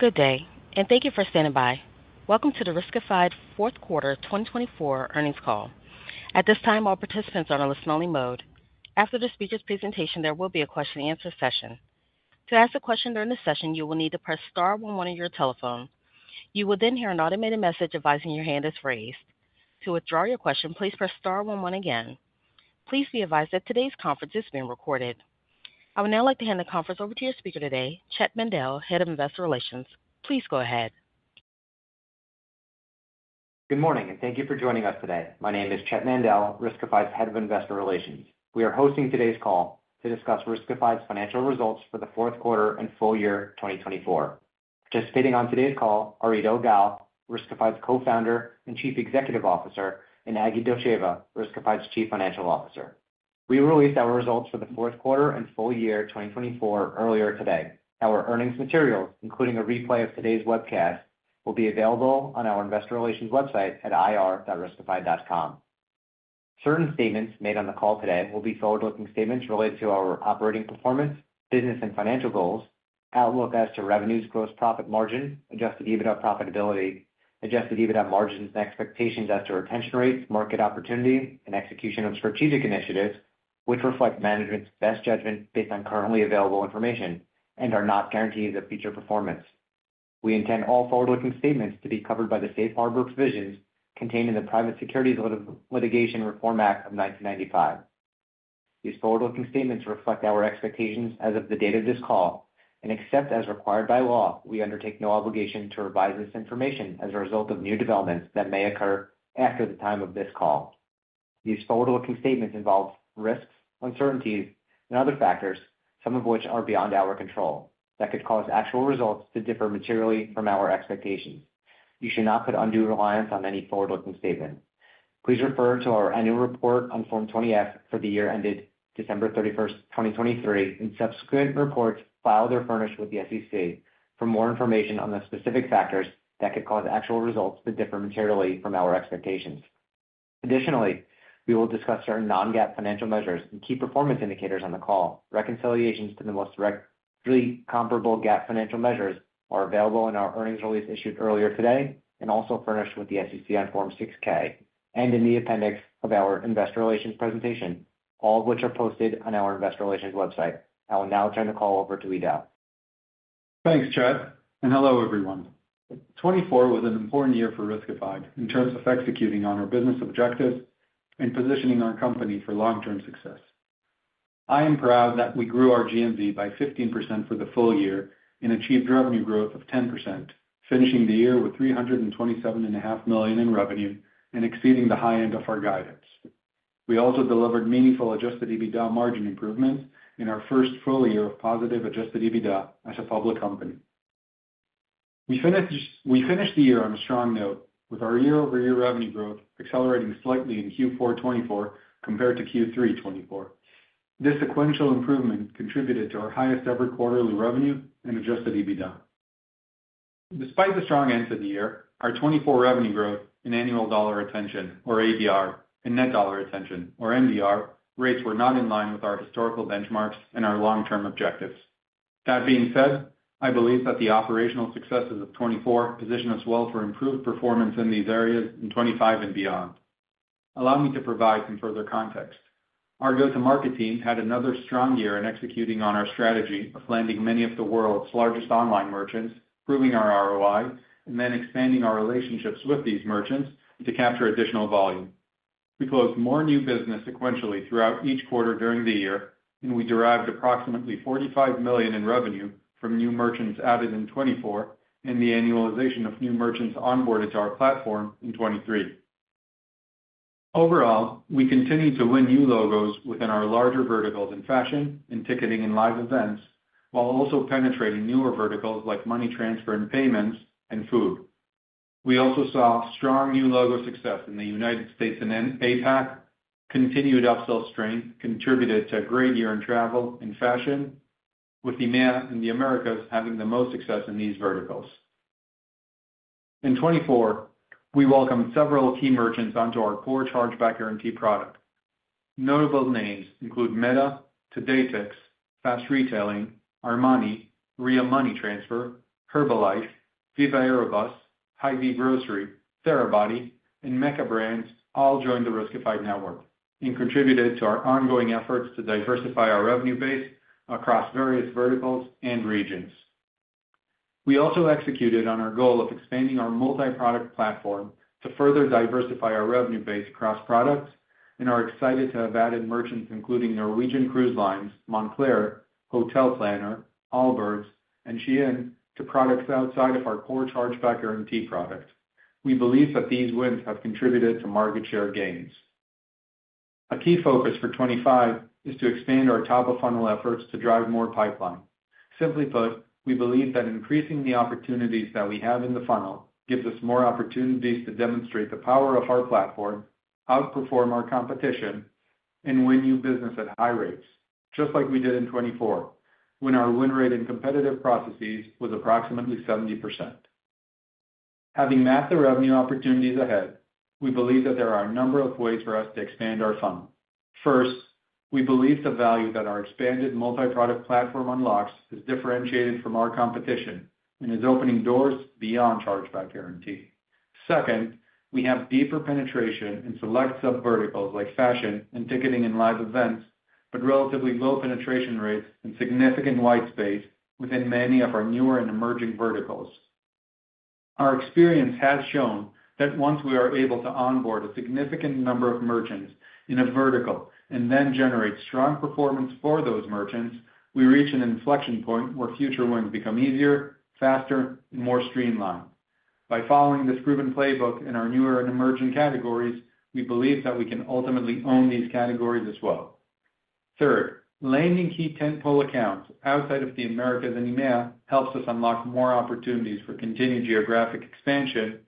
Good day, and thank you for standing by. Welcome to the Riskified Fourth Quarter 2024 earnings call. At this time, all participants are on a listen-only mode. After the speaker's presentation, there will be a question-and-answer session. To ask a question during the session, you will need to press star one one on your telephone. You will then hear an automated message advising your hand is raised. To withdraw your question, please press star 11 again. Please be advised that today's conference is being recorded. I would now like to hand the conference over to your speaker today, Chett Mandel, Head of Investor Relations. Please go ahead. Good morning, and thank you for joining us today. My name is Chett Mandel, Riskified's Head of Investor Relations. We are hosting today's call to discuss Riskified's financial results for the fourth quarter and full year 2024. Participating on today's call are Eido Gal, Riskified's co-founder and chief executive officer, and Agi Dotcheva, Riskified's chief financial officer. We released our results for the fourth quarter and full year 2024 earlier today. Our earnings materials, including a replay of today's webcast, will be available on our investor relations website at ir.riskified.com. Certain statements made on the call today will be forward-looking statements related to our operating performance, business and financial goals, outlook as to revenues, gross profit margin, adjusted EBITDA profitability, adjusted EBITDA margins, and expectations as to retention rates, market opportunity, and execution of strategic initiatives, which reflect management's best judgment based on currently available information and are not guarantees of future performance. We intend all forward-looking statements to be covered by the safe harbor provisions contained in the Private Securities Litigation Reform Act of 1995. These forward-looking statements reflect our expectations as of the date of this call, and except as required by law, we undertake no obligation to revise this information as a result of new developments that may occur after the time of this call. These forward-looking statements involve risks, uncertainties, and other factors, some of which are beyond our control, that could cause actual results to differ materially from our expectations. You should not put undue reliance on any forward-looking statement. Please refer to our annual report on Form 20-F for the year ended December 31, 2023, and subsequent reports filed or furnished with the SEC for more information on the specific factors that could cause actual results to differ materially from our expectations. Additionally, we will discuss certain non-GAAP financial measures and key performance indicators on the call. Reconciliations to the most directly comparable GAAP financial measures are available in our earnings release issued earlier today and also furnished with the SEC on Form 6-K and in the appendix of our investor relations presentation, all of which are posted on our investor relations website. I will now turn the call over to Eido. Thanks, Chett, and hello everyone. 2024 was an important year for Riskified in terms of executing on our business objectives and positioning our company for long-term success. I am proud that we grew our GMV by 15% for the full year and achieved revenue growth of 10%, finishing the year with $327.5 million in revenue and exceeding the high end of our guidance. We also delivered meaningful adjusted EBITDA margin improvements in our first full year of positive adjusted EBITDA as a public company. We finished the year on a strong note, with our year-over-year revenue growth accelerating slightly in Q4 2024 compared to Q3 2024. This sequential improvement contributed to our highest-ever quarterly revenue and adjusted EBITDA. Despite the strong end to the year, our 2024 revenue growth and annual dollar retention, or ADR, and net dollar retention, or NDR, rates were not in line with our historical benchmarks and our long-term objectives. That being said, I believe that the operational successes of 2024 position us well for improved performance in these areas in 2025 and beyond. Allow me to provide some further context. Our go-to-market team had another strong year in executing on our strategy of landing many of the world's largest online merchants, proving our ROI, and then expanding our relationships with these merchants to capture additional volume. We closed more new business sequentially throughout each quarter during the year, and we derived approximately $45 million in revenue from new merchants added in 2024 and the annualization of new merchants onboarded to our platform in 2023. Overall, we continued to win new logos within our larger verticals in fashion and ticketing and live events, while also penetrating newer verticals like money transfer and payments and food. We also saw strong new logo success in the United States and APAC. Continued upsell strength contributed to a great year in travel and fashion, with EMEA and the Americas having the most success in these verticals. In 2024, we welcomed several key merchants onto our core Chargeback Guarantee product. Notable names include Meta, TodayTix, Fast-Retailing, Armani, Ria Money Transfer, Herbalife, Viva Aerobus, Hy-Vee Grocery, Therabody, and MECCA Brands, all joined the Riskified network and contributed to our ongoing efforts to diversify our revenue base across various verticals and regions. We also executed on our goal of expanding our multi-product platform to further diversify our revenue base across products, and are excited to have added merchants including Norwegian Cruise Lines, Montclair, Hotel Planner, Allbirds, and SHEIN to products outside of our core Chargeback Guarantee product. We believe that these wins have contributed to market share gains. A key focus for 2025 is to expand our top-of-funnel efforts to drive more pipeline. Simply put, we believe that increasing the opportunities that we have in the funnel gives us more opportunities to demonstrate the power of our platform, outperform our competition, and win new business at high rates, just like we did in 2024 when our win rate in competitive processes was approximately 70%. Having mapped the revenue opportunities ahead, we believe that there are a number of ways for us to expand our funnel. First, we believe the value that our expanded multi-product platform unlocks is differentiated from our competition and is opening doors beyond chargeback guarantee. Second, we have deeper penetration in select sub-verticals like fashion and ticketing and live events, but relatively low penetration rates and significant white space within many of our newer and emerging verticals. Our experience has shown that once we are able to onboard a significant number of merchants in a vertical and then generate strong performance for those merchants, we reach an inflection point where future wins become easier, faster, and more streamlined. By following this proven playbook in our newer and emerging categories, we believe that we can ultimately own these categories as well. Third, landing key tentpole accounts outside of the Americas and EMEA helps us unlock more opportunities for continued geographic expansion.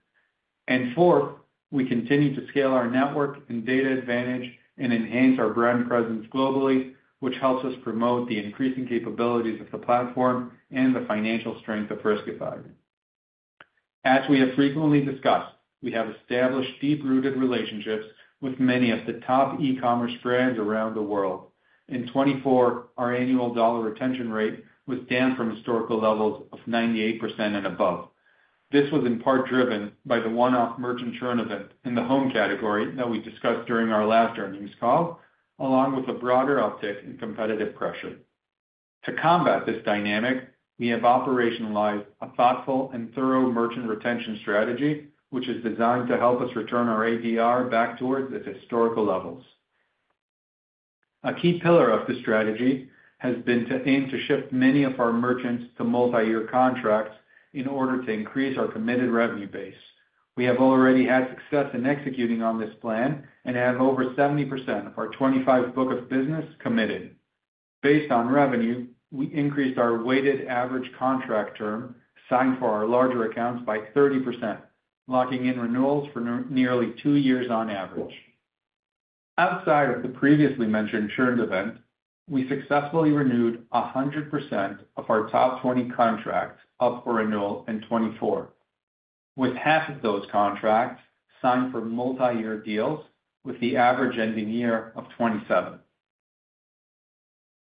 Fourth, we continue to scale our network and data advantage and enhance our brand presence globally, which helps us promote the increasing capabilities of the platform and the financial strength of Riskified. As we have frequently discussed, we have established deep-rooted relationships with many of the top e-commerce brands around the world. In 2024, our annual dollar retention rate was down from historical levels of 98% and above. This was in part driven by the one-off merchant churn event in the home category that we discussed during our last earnings call, along with a broader uptick in competitive pressure. To combat this dynamic, we have operationalized a thoughtful and thorough merchant retention strategy, which is designed to help us return our ADR back towards its historical levels. A key pillar of the strategy has been to aim to shift many of our merchants to multi-year contracts in order to increase our committed revenue base. We have already had success in executing on this plan and have over 70% of our 2025 book of business committed. Based on revenue, we increased our weighted average contract term signed for our larger accounts by 30%, locking in renewals for nearly two years on average. Outside of the previously mentioned churn event, we successfully renewed 100% of our top 20 contracts up for renewal in 2024, with half of those contracts signed for multi-year deals with the average ending year of 2027.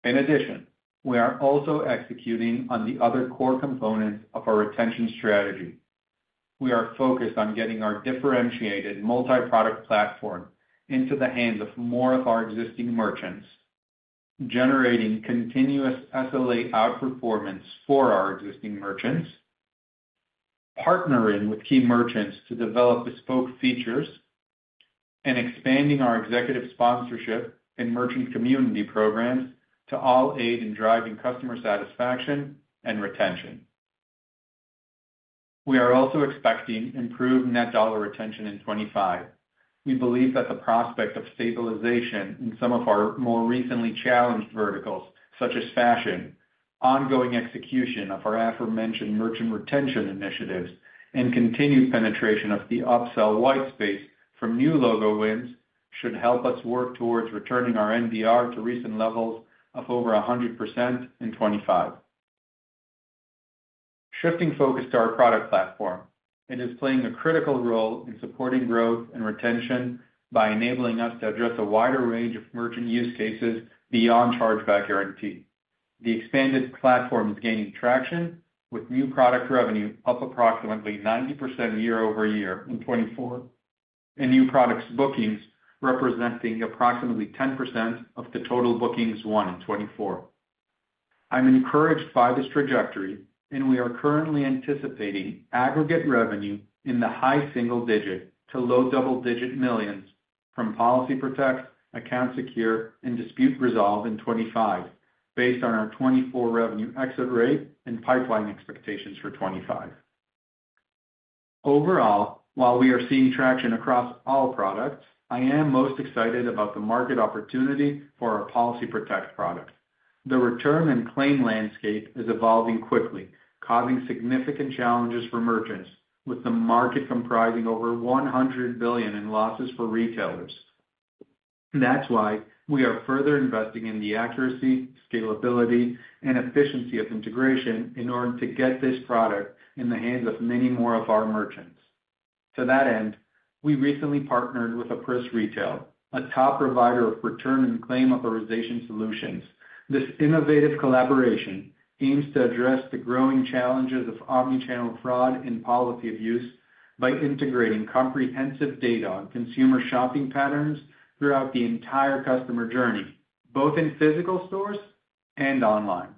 In addition, we are also executing on the other core components of our retention strategy. We are focused on getting our differentiated multi-product platform into the hands of more of our existing merchants, generating continuous SLA outperformance for our existing merchants, partnering with key merchants to develop bespoke features, and expanding our executive sponsorship and merchant community programs to all aid in driving customer satisfaction and retention. We are also expecting improved net dollar retention in 2025. We believe that the prospect of stabilization in some of our more recently challenged verticals, such as fashion, ongoing execution of our aforementioned merchant retention initiatives, and continued penetration of the upsell white space from new logo wins should help us work towards returning our NDR to recent levels of over 100% in 2025. Shifting focus to our product platform, it is playing a critical role in supporting growth and retention by enabling us to address a wider range of merchant use cases beyond chargeback guarantee. The expanded platform is gaining traction, with new product revenue up approximately 90% year-over-year in 2024, and new product bookings representing approximately 10% of the total bookings won in 2024. I'm encouraged by this trajectory, and we are currently anticipating aggregate revenue in the high single-digit to low double-digit millions from Policy Protect, Account Secure, and Dispute Resolve in 2025, based on our 2024 revenue exit rate and pipeline expectations for 2025. Overall, while we are seeing traction across all products, I am most excited about the market opportunity for our Policy Protect product. The return and claim landscape is evolving quickly, causing significant challenges for merchants, with the market comprising over $100 billion in losses for retailers. That's why we are further investing in the accuracy, scalability, and efficiency of integration in order to get this product in the hands of many more of our merchants. To that end, we recently partnered with Appriss Retail, a top provider of return and claim authorization solutions. This innovative collaboration aims to address the growing challenges of omnichannel fraud and policy abuse by integrating comprehensive data on consumer shopping patterns throughout the entire customer journey, both in physical stores and online.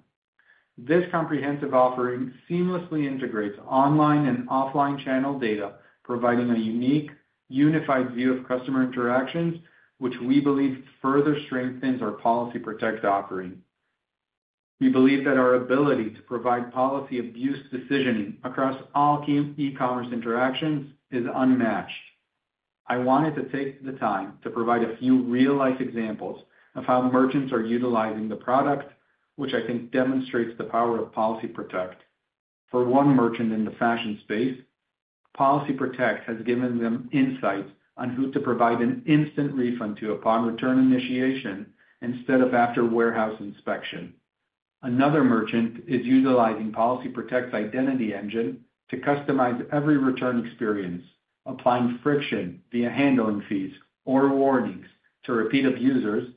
This comprehensive offering seamlessly integrates online and offline channel data, providing a unique, unified view of customer interactions, which we believe further strengthens our Policy Protect offering. We believe that our ability to provide policy abuse decisioning across all e-commerce interactions is unmatched. I wanted to take the time to provide a few real-life examples of how merchants are utilizing the product, which I think demonstrates the power of Policy Protect. For one merchant in the fashion space, Policy Protect has given them insights on who to provide an instant refund to upon return initiation instead of after warehouse inspection. Another merchant is utilizing Policy Protect's identity engine to customize every return experience, applying friction via handling fees or warnings to repeat abusers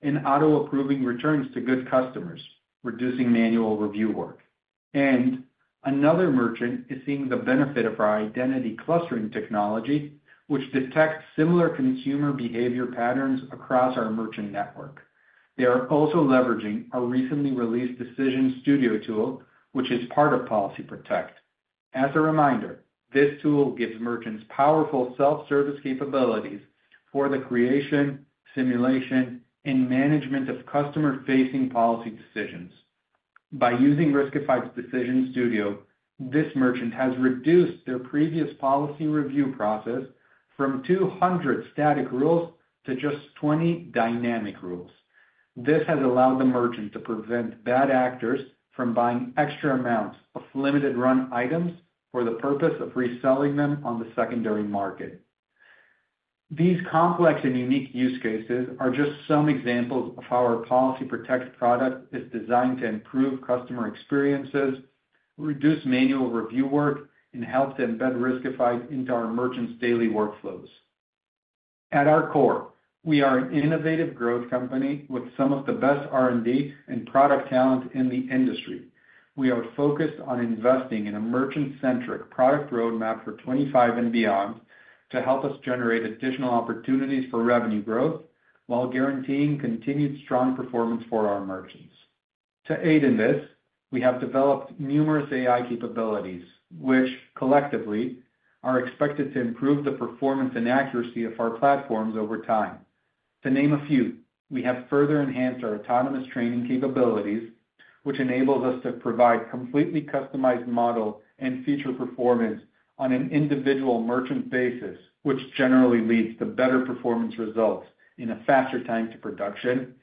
and auto-approving returns to good customers, reducing manual review work. Another merchant is seeing the benefit of our identity clustering technology, which detects similar consumer behavior patterns across our merchant network. They are also leveraging our recently released Decision Studio tool, which is part of Policy Protect. As a reminder, this tool gives merchants powerful self-service capabilities for the creation, simulation, and management of customer-facing policy decisions. By using Riskified's Decision Studio, this merchant has reduced their previous policy review process from 200 static rules to just 20 dynamic rules. This has allowed the merchant to prevent bad actors from buying extra amounts of limited-run items for the purpose of reselling them on the secondary market. These complex and unique use cases are just some examples of how our Policy Protect product is designed to improve customer experiences, reduce manual review work, and help to embed Riskified into our merchants' daily workflows. At our core, we are an innovative growth company with some of the best R&D and product talent in the industry. We are focused on investing in a merchant-centric product roadmap for 2025 and beyond to help us generate additional opportunities for revenue growth while guaranteeing continued strong performance for our merchants. To aid in this, we have developed numerous AI capabilities, which collectively are expected to improve the performance and accuracy of our platforms over time. To name a few, we have further enhanced our autonomous training capabilities, which enables us to provide completely customized model and feature performance on an individual merchant basis, which generally leads to better performance results in a faster time to production.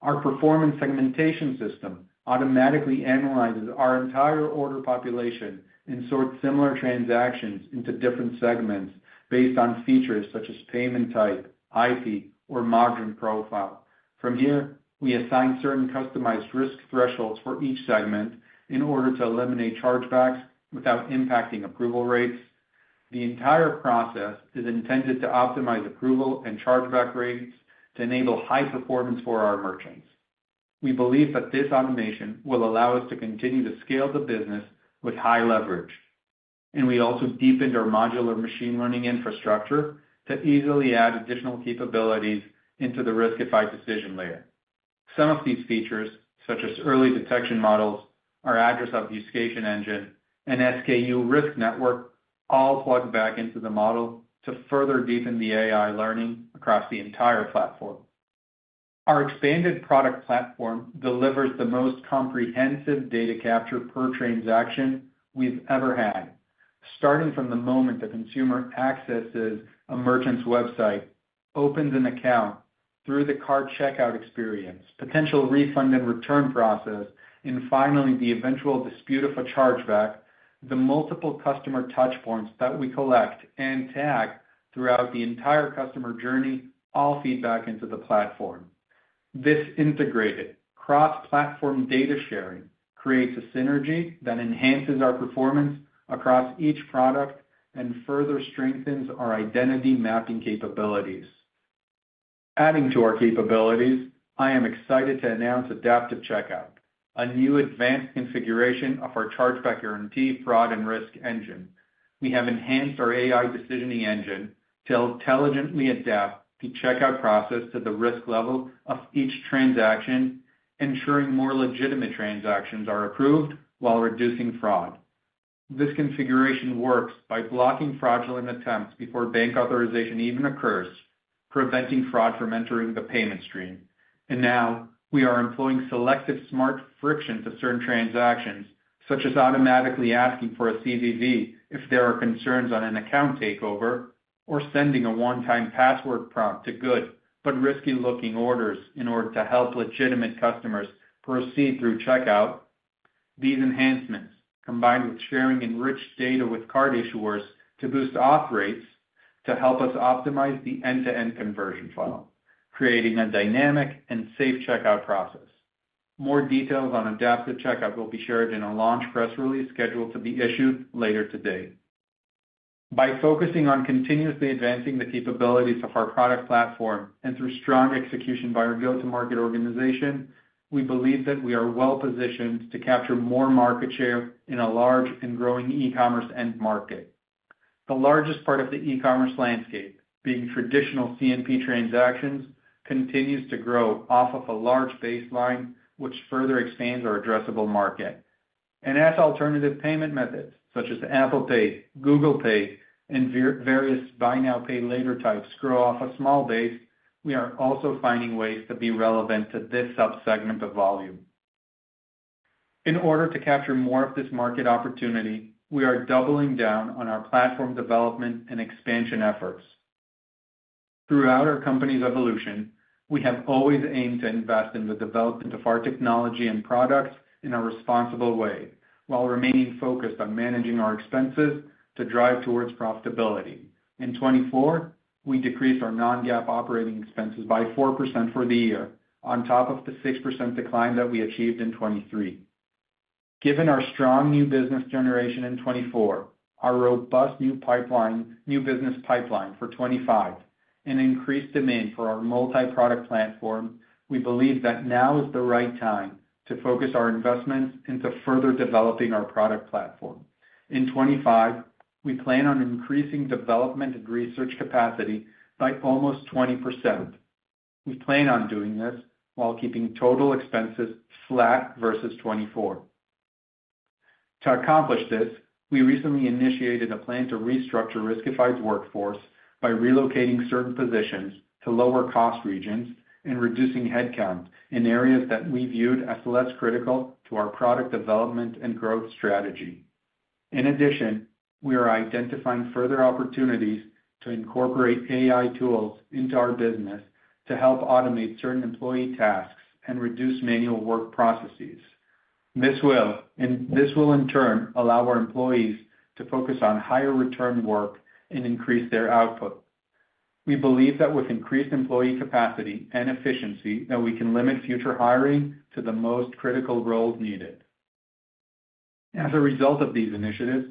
Our performance segmentation system automatically analyzes our entire order population and sorts similar transactions into different segments based on features such as payment type, IP, or modern profile. From here, we assign certain customized risk thresholds for each segment in order to eliminate chargebacks without impacting approval rates. The entire process is intended to optimize approval and chargeback rates to enable high performance for our merchants. We believe that this automation will allow us to continue to scale the business with high leverage, and we also deepened our modular machine learning infrastructure to easily add additional capabilities into the Riskified decision layer. Some of these features, such as early detection models, our address obfuscation engine, and SKU risk network, all plug back into the model to further deepen the AI learning across the entire platform. Our expanded product platform delivers the most comprehensive data capture per transaction we've ever had. Starting from the moment the consumer accesses a merchant's website, opens an account, through the cart checkout experience, potential refund and return process, and finally the eventual dispute of a chargeback, the multiple customer touchpoints that we collect and tag throughout the entire customer journey all feed back into the platform. This integrated cross-platform data sharing creates a synergy that enhances our performance across each product and further strengthens our identity mapping capabilities. Adding to our capabilities, I am excited to announce Adaptive Checkout, a new advanced configuration of our chargeback guarantee fraud and risk engine. We have enhanced our AI decisioning engine to intelligently adapt the checkout process to the risk level of each transaction, ensuring more legitimate transactions are approved while reducing fraud. This configuration works by blocking fraudulent attempts before bank authorization even occurs, preventing fraud from entering the payment stream. We are employing selective smart friction to certain transactions, such as automatically asking for a CVV if there are concerns on an account takeover or sending a one-time password prompt to good but risky-looking orders in order to help legitimate customers proceed through checkout. These enhancements, combined with sharing enriched data with card issuers to boost auth rates, help us optimize the end-to-end conversion file, creating a dynamic and safe checkout process. More details on Adaptive Checkout will be shared in a launch press release scheduled to be issued later today. By focusing on continuously advancing the capabilities of our product platform and through strong execution by our go-to-market organization, we believe that we are well-positioned to capture more market share in a large and growing e-commerce end market. The largest part of the e-commerce landscape, being traditional CNP transactions, continues to grow off of a large baseline, which further expands our addressable market. As alternative payment methods such as Apple Pay, Google Pay, and various buy now, pay later types grow off a small base, we are also finding ways to be relevant to this subsegment of volume. In order to capture more of this market opportunity, we are doubling down on our platform development and expansion efforts. Throughout our company's evolution, we have always aimed to invest in the development of our technology and products in a responsible way, while remaining focused on managing our expenses to drive towards profitability. In 2024, we decreased our non-GAAP operating expenses by 4% for the year, on top of the 6% decline that we achieved in 2023. Given our strong new business generation in 2024, our robust new business pipeline for 2025, and increased demand for our multi-product platform, we believe that now is the right time to focus our investments into further developing our product platform. In 2025, we plan on increasing development and research capacity by almost 20%. We plan on doing this while keeping total expenses flat versus 2024. To accomplish this, we recently initiated a plan to restructure Riskified's workforce by relocating certain positions to lower cost regions and reducing headcount in areas that we viewed as less critical to our product development and growth strategy. In addition, we are identifying further opportunities to incorporate AI tools into our business to help automate certain employee tasks and reduce manual work processes. This will, in turn, allow our employees to focus on higher return work and increase their output. We believe that with increased employee capacity and efficiency, we can limit future hiring to the most critical roles needed. As a result of these initiatives,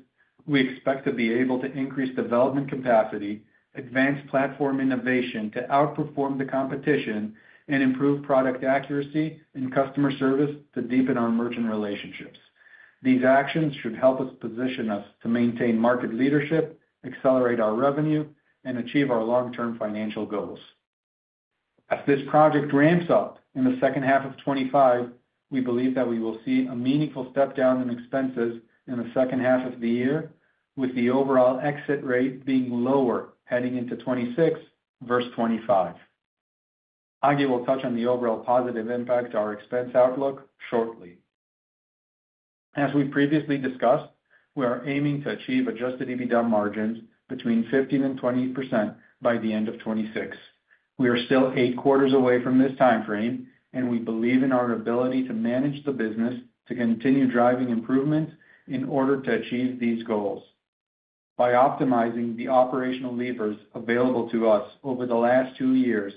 we expect to be able to increase development capacity, advance platform innovation to outperform the competition, and improve product accuracy and customer service to deepen our merchant relationships. These actions should help us position us to maintain market leadership, accelerate our revenue, and achieve our long-term financial goals. As this project ramps up in the second half of 2025, we believe that we will see a meaningful step down in expenses in the second half of the year, with the overall exit rate being lower heading into 2026 versus 2025. Agi will touch on the overall positive impact of our expense outlook shortly. As we previously discussed, we are aiming to achieve adjusted EBITDA margins between 15%-20% by the end of 2026. We are still eight quarters away from this timeframe, and we believe in our ability to manage the business to continue driving improvements in order to achieve these goals. By optimizing the operational levers available to us over the last two years,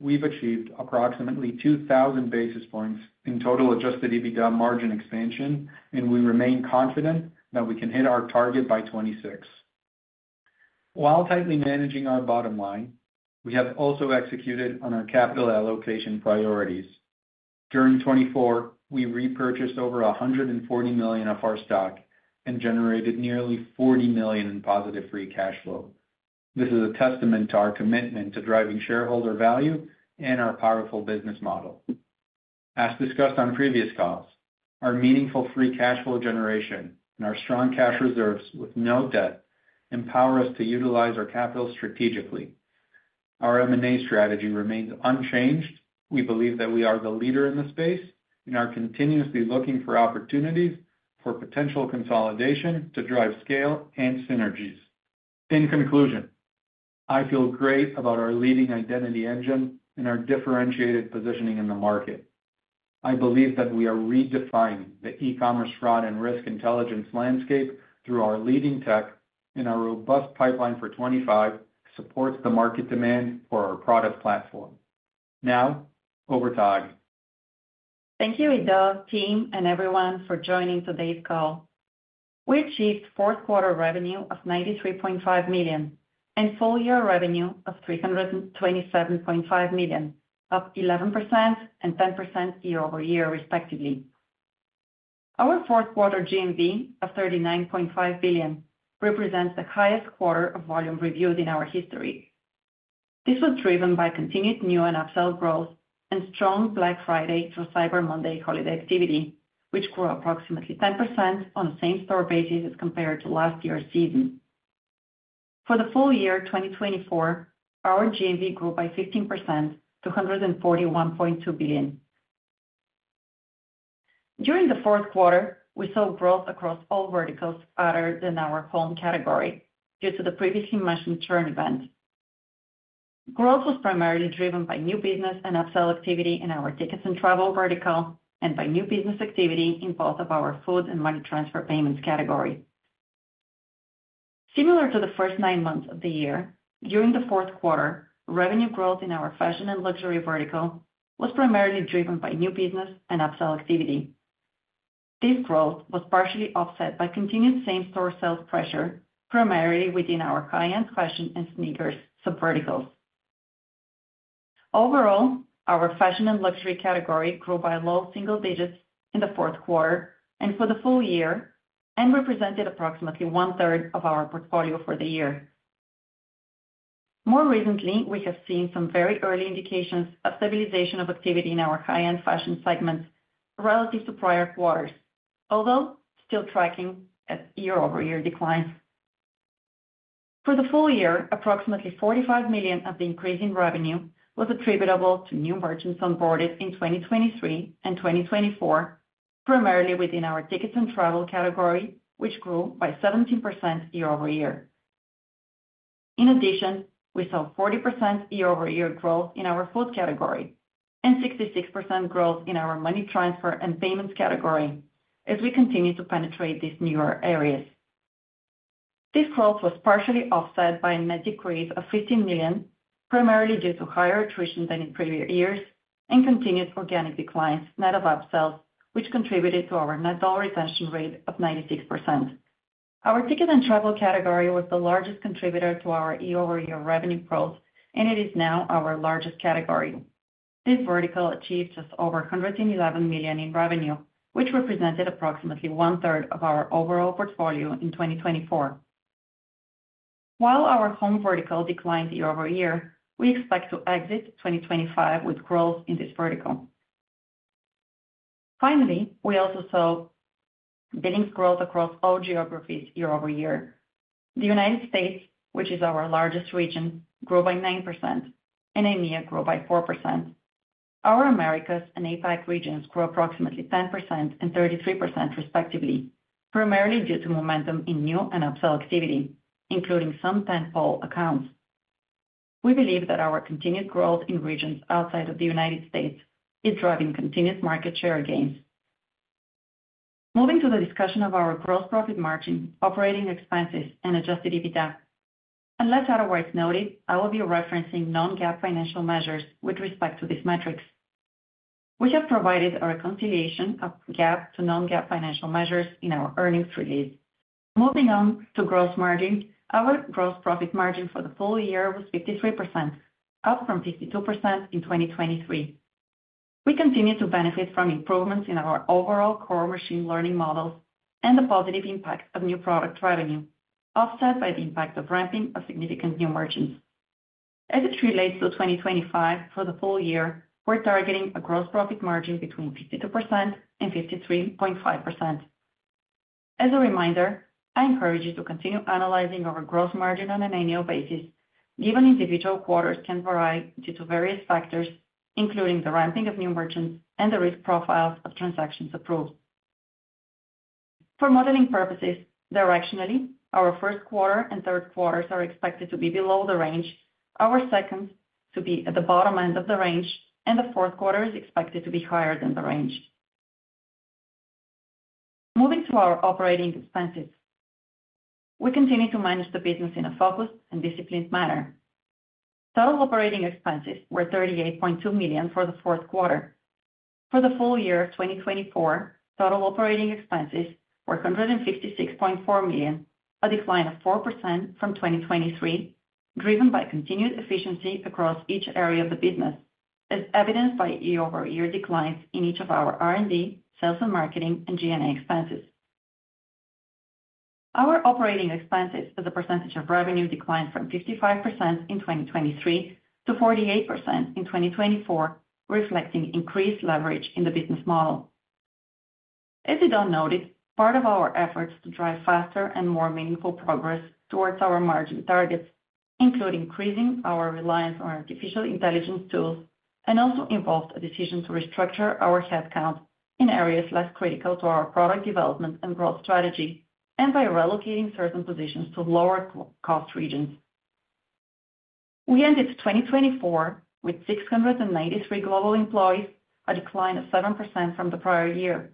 we've achieved approximately 2,000 basis points in total adjusted EBITDA margin expansion, and we remain confident that we can hit our target by 2026. While tightly managing our bottom line, we have also executed on our capital allocation priorities. During 2024, we repurchased over $140 million of our stock and generated nearly $40 million in positive free cash flow. This is a testament to our commitment to driving shareholder value and our powerful business model. As discussed on previous calls, our meaningful free cash flow generation and our strong cash reserves with no debt empower us to utilize our capital strategically. Our M&A strategy remains unchanged. We believe that we are the leader in the space and are continuously looking for opportunities for potential consolidation to drive scale and synergies. In conclusion, I feel great about our leading identity engine and our differentiated positioning in the market. I believe that we are redefining the e-commerce fraud and risk intelligence landscape through our leading tech and our robust pipeline for 2025 supports the market demand for our product platform. Now, over to Agi. Thank you, Eido, team, and everyone for joining today's call. We achieved fourth quarter revenue of $93.5 million and full year revenue of $327.5 million, up 11% and 10% year over year, respectively. Our fourth quarter GMV of $39.5 billion represents the highest quarter of volume reviews in our history. This was driven by continued new and upsell growth and strong Black Friday through Cyber Monday holiday activity, which grew approximately 10% on the same store basis as compared to last year's season. For the full year 2024, our GMV grew by 15% to $141.2 billion. During the fourth quarter, we saw growth across all verticals other than our home category due to the previously mentioned churn event. Growth was primarily driven by new business and upsell activity in our tickets and travel vertical and by new business activity in both of our food and money transfer payments category. Similar to the first nine months of the year, during the fourth quarter, revenue growth in our fashion and luxury vertical was primarily driven by new business and upsell activity. This growth was partially offset by continued same-store sales pressure, primarily within our high-end fashion and sneakers subverticals. Overall, our fashion and luxury category grew by low single digits in the fourth quarter and for the full year and represented approximately one-third of our portfolio for the year. More recently, we have seen some very early indications of stabilization of activity in our high-end fashion segments relative to prior quarters, although still tracking a year-over-year decline. For the full year, approximately $45 million of the increase in revenue was attributable to new merchants onboarded in 2023 and 2024, primarily within our tickets and travel category, which grew by 17% year over year. In addition, we saw 40% year-over-year growth in our food category and 66% growth in our money transfer and payments category as we continue to penetrate these newer areas. This growth was partially offset by a net decrease of $15 million, primarily due to higher attrition than in previous years and continued organic declines, net of upsells, which contributed to our net dollar retention rate of 96%. Our ticket and travel category was the largest contributor to our year-over-year revenue growth, and it is now our largest category. This vertical achieved just over $111 million in revenue, which represented approximately one-third of our overall portfolio in 2024. While our home vertical declined year-over-year, we expect to exit 2025 with growth in this vertical. Finally, we also saw billing growth across all geographies year-over-year. The U.S., which is our largest region, grew by 9%, and EMEA grew by 4%. Our Americas and APAC regions grew approximately 10% and 33%, respectively, primarily due to momentum in new and upsell activity, including some tentpole accounts. We believe that our continued growth in regions outside of the U.S. is driving continued market share gains. Moving to the discussion of our gross profit margin, operating expenses, and adjusted EBITDA. Unless otherwise noted, I will be referencing non-GAAP financial measures with respect to these metrics. We have provided a reconciliation of GAAP to non-GAAP financial measures in our earnings release. Moving on to gross margin, our gross profit margin for the full year was 53%, up from 52% in 2023. We continue to benefit from improvements in our overall core machine learning models and the positive impact of new product revenue, offset by the impact of ramping of significant new merchants. As it relates to 2025 for the full year, we're targeting a gross profit margin between 52% and 53.5%. As a reminder, I encourage you to continue analyzing our gross margin on an annual basis, given individual quarters can vary due to various factors, including the ramping of new merchants and the risk profiles of transactions approved. For modeling purposes, directionally, our first quarter and third quarters are expected to be below the range, our second to be at the bottom end of the range, and the fourth quarter is expected to be higher than the range. Moving to our operating expenses, we continue to manage the business in a focused and disciplined manner. Total operating expenses were $38.2 million for the fourth quarter. For the full year of 2024, total operating expenses were $156.4 million, a decline of 4% from 2023, driven by continued efficiency across each area of the business, as evidenced by year-over-year declines in each of our R&D, sales and marketing, and G&A expenses. Our operating expenses, as a percentage of revenue, declined from 55% in 2023 to 48% in 2024, reflecting increased leverage in the business model. As I don't know it, part of our efforts to drive faster and more meaningful progress towards our margin targets, including increasing our reliance on artificial intelligence tools, also involved a decision to restructure our headcount in areas less critical to our product development and growth strategy and by relocating certain positions to lower cost regions. We ended 2024 with 683 global employees, a decline of 7% from the prior year.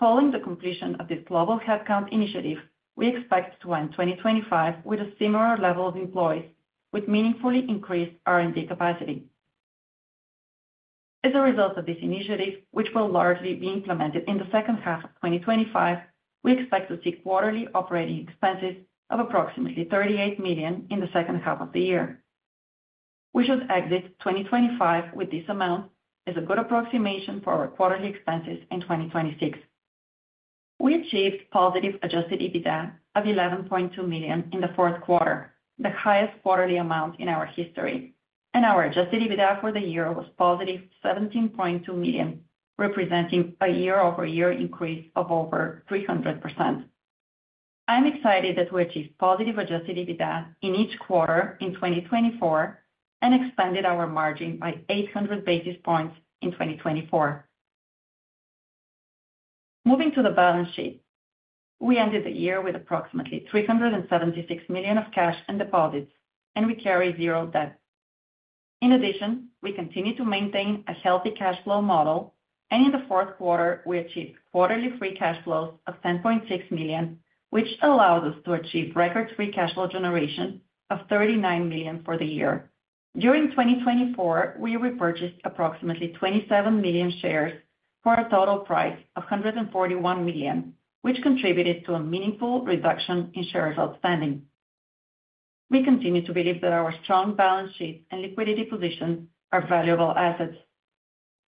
Following the completion of this global headcount initiative, we expect to end 2025 with a similar level of employees, with meaningfully increased R&D capacity. As a result of this initiative, which will largely be implemented in the second half of 2025, we expect to see quarterly operating expenses of approximately $38 million in the second half of the year. We should exit 2025 with this amount as a good approximation for our quarterly expenses in 2026. We achieved positive adjusted EBITDA of $11.2 million in the fourth quarter, the highest quarterly amount in our history, and our adjusted EBITDA for the year was positive $17.2 million, representing a year-over-year increase of over 300%. I'm excited that we achieved positive adjusted EBITDA in each quarter in 2024 and expanded our margin by 800 basis points in 2024. Moving to the balance sheet, we ended the year with approximately $376 million of cash and deposits, and we carry zero debt. In addition, we continue to maintain a healthy cash flow model, and in the fourth quarter, we achieved quarterly free cash flows of $10.6 million, which allows us to achieve record free cash flow generation of $39 million for the year. During 2024, we repurchased approximately 27 million shares for a total price of $141 million, which contributed to a meaningful reduction in shares outstanding. We continue to believe that our strong balance sheet and liquidity positions are valuable assets.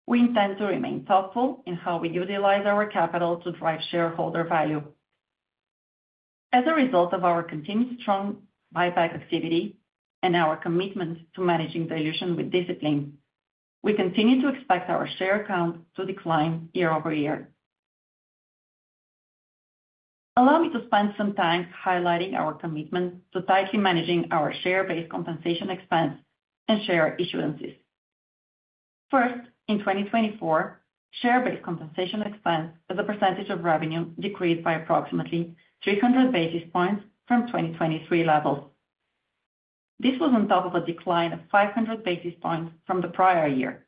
We intend to remain thoughtful in how we utilize our capital to drive shareholder value. As a result of our continued strong buyback activity and our commitment to managing dilution with discipline, we continue to expect our share count to decline year-over-year. Allow me to spend some time highlighting our commitment to tightly managing our share-based compensation expense and share issuances. First, in 2024, share-based compensation expense as a percentage of revenue decreased by approximately 300 basis points from 2023 levels. This was on top of a decline of 500 basis points from the prior year.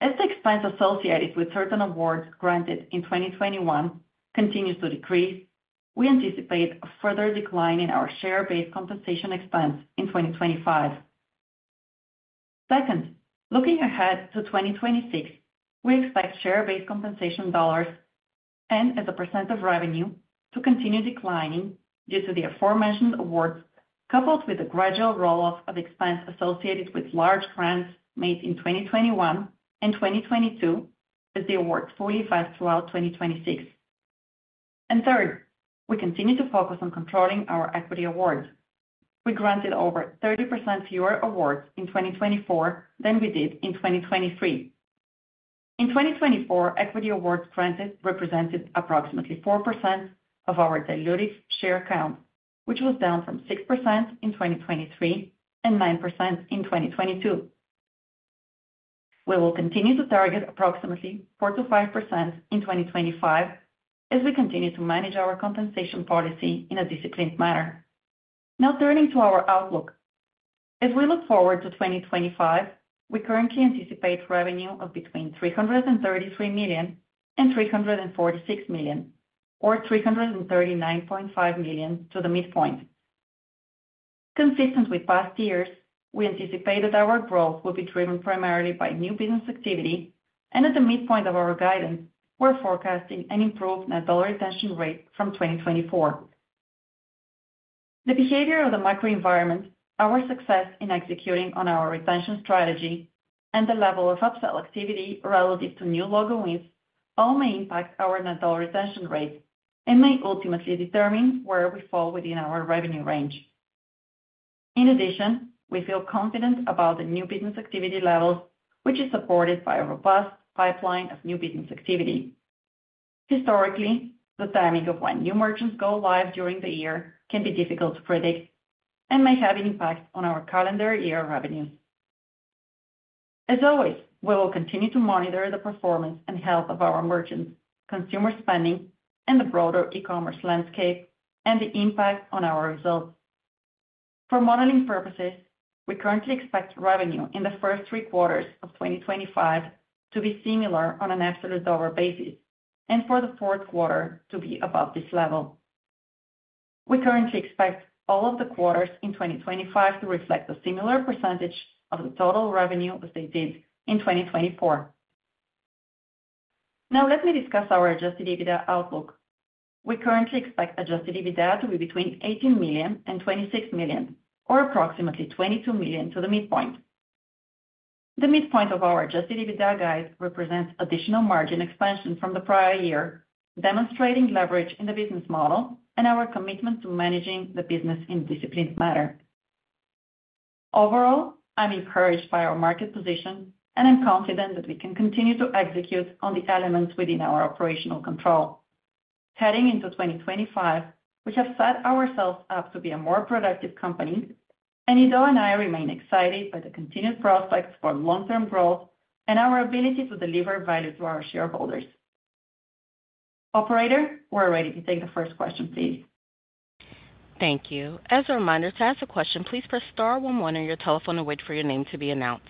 As the expense associated with certain awards granted in 2021 continues to decrease, we anticipate a further decline in our share-based compensation expense in 2025. Second, looking ahead to 2026, we expect share-based compensation dollars and as a percent of revenue to continue declining due to the aforementioned awards, coupled with the gradual roll-off of expense associated with large grants made in 2021 and 2022 as the awards fully flashed throughout 2026. Third, we continue to focus on controlling our equity awards. We granted over 30% fewer awards in 2024 than we did in 2023. In 2024, equity awards granted represented approximately 4% of our diluted share count, which was down from 6% in 2023 and 9% in 2022. We will continue to target approximately 4%-5% in 2025 as we continue to manage our compensation policy in a disciplined manner. Now, turning to our outlook, as we look forward to 2025, we currently anticipate revenue of between $333 million and $346 million, or $339.5 million at the midpoint. Consistent with past years, we anticipate that our growth will be driven primarily by new business activity, and at the midpoint of our guidance, we're forecasting an improved net dollar retention rate from 2024. The behavior of the macro environment, our success in executing on our retention strategy, and the level of upsell activity relative to new logo wins all may impact our net dollar retention rate and may ultimately determine where we fall within our revenue range. In addition, we feel confident about the new business activity levels, which is supported by a robust pipeline of new business activity. Historically, the timing of when new merchants go live during the year can be difficult to predict and may have an impact on our calendar year revenues. As always, we will continue to monitor the performance and health of our merchants, consumer spending, and the broader e-commerce landscape and the impact on our results. For modeling purposes, we currently expect revenue in the first three quarters of 2025 to be similar on an absolute dollar basis and for the fourth quarter to be above this level. We currently expect all of the quarters in 2025 to reflect a similar percentage of the total revenue as they did in 2024. Now, let me discuss our adjusted EBITDA outlook. We currently expect adjusted EBITDA to be between $18 million-$26 million, or approximately $22 million at the midpoint. The midpoint of our adjusted EBITDA guide represents additional margin expansion from the prior year, demonstrating leverage in the business model and our commitment to managing the business in a disciplined manner. Overall, I'm encouraged by our market position, and I'm confident that we can continue to execute on the elements within our operational control. Heading into 2025, we have set ourselves up to be a more productive company, and Ido and I remain excited by the continued prospects for long-term growth and our ability to deliver value to our shareholders. Operator, we're ready to take the first question, please. Thank you. As a reminder, to ask a question, please press star one one on your telephone and wait for your name to be announced.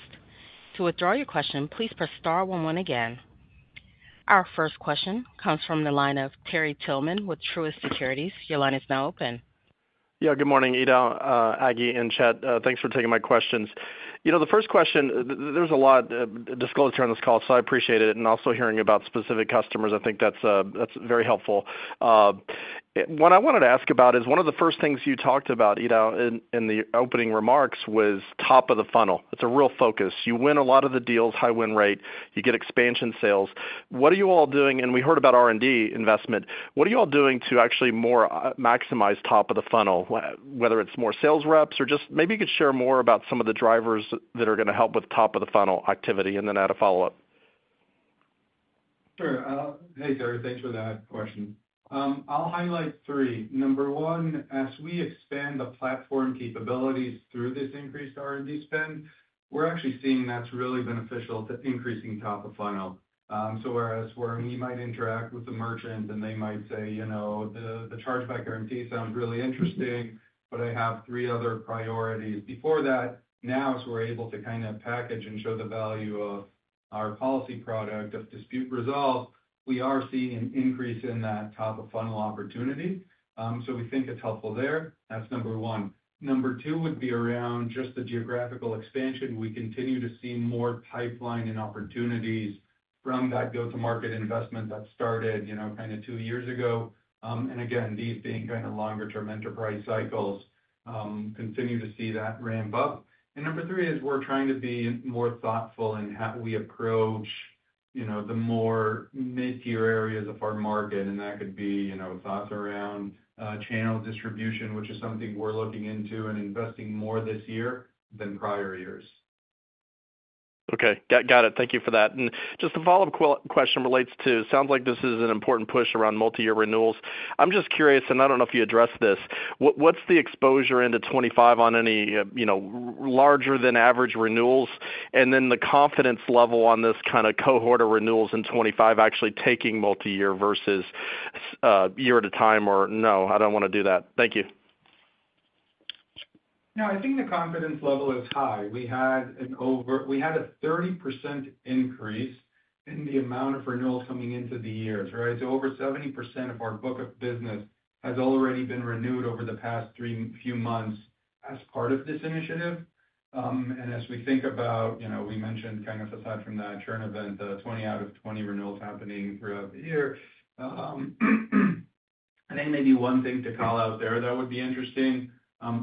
To withdraw your question, please press star one one again. Our first question comes from the line of Terry Tillman with Truist Securities. Your line is now open. Yeah, good morning, Ido, Agi, and Chett. Thanks for taking my questions. You know, the first question, there's a lot of disclosure on this call, so I appreciate it. Also hearing about specific customers, I think that's very helpful. What I wanted to ask about is one of the first things you talked about, Ida, in the opening remarks was top of the funnel. It's a real focus. You win a lot of the deals, high win rate, you get expansion sales. What are you all doing? We heard about R&D investment. What are you all doing to actually more maximize top of the funnel, whether it's more sales reps or just maybe you could share more about some of the drivers that are going to help with top of the funnel activity and then add a follow-up. Sure. Hey, Terry, thanks for that question. I'll highlight three. Number one, as we expand the platform capabilities through this increased R&D spend, we're actually seeing that's really beneficial to increasing top of funnel. Whereas we might interact with the merchants and they might say, you know, the Chargeback Guarantee sounds really interesting, but I have three other priorities before that, now, as we're able to kind of package and show the value of our Policy Protect product, of Dispute Resolve, we are seeing an increase in that top of funnel opportunity. We think it's helpful there. That's number one. Number two would be around just the geographical expansion. We continue to see more pipeline and opportunities from that go-to-market investment that started, you know, kind of two years ago. Again, these being kind of longer-term enterprise cycles, continue to see that ramp up. Number three is we're trying to be more thoughtful in how we approach, you know, the more mid-tier areas of our market. That could be, you know, thoughts around channel distribution, which is something we're looking into and investing more this year than prior years. Okay, got it. Thank you for that. Just a follow-up question relates to, it sounds like this is an important push around multi-year renewals. I'm just curious, and I do not know if you addressed this, what's the exposure into 2025 on any, you know, larger-than-average renewals? The confidence level on this kind of cohort of renewals in 2025 actually taking multi-year versus year at a time or no, I do not want to do that. Thank you. No, I think the confidence level is high. We had an over, we had a 30% increase in the amount of renewals coming into the years, right? Over 70% of our book of business has already been renewed over the past few months as part of this initiative. As we think about, you know, we mentioned kind of aside from the churn event, 20 out of 20 renewals happening throughout the year. I think maybe one thing to call out there that would be interesting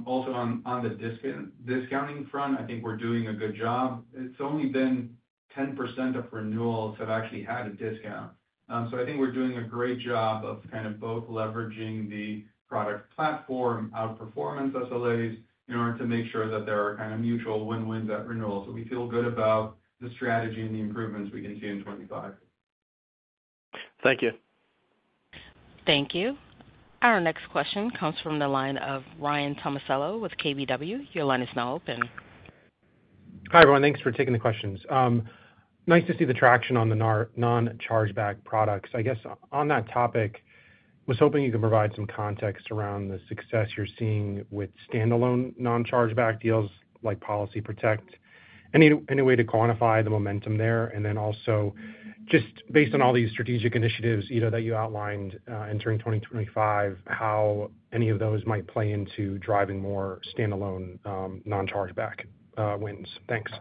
also on the discounting front, I think we're doing a good job. It's only been 10% of renewals have actually had a discount. I think we're doing a great job of kind of both leveraging the product platform, our performance SLAs in order to make sure that there are kind of mutual win-wins at renewals. We feel good about the strategy and the improvements we can see in 2025. Thank you. Thank you. Our next question comes from the line of Ryan Tomasello with KBW. Your line is now open. Hi everyone, thanks for taking the questions. Nice to see the traction on the non-chargeback products. I guess on that topic, I was hoping you could provide some context around the success you're seeing with standalone non-chargeback deals like Policy Protect. Any way to quantify the momentum there? Also, just based on all these strategic initiatives that you outlined entering 2025, how any of those might play into driving more standalone non-chargeback wins? Thanks.